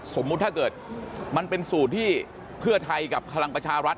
สมมุติถ้าเกิดมันเป็นสูตรที่เพื่อไทยกับพลังประชารัฐ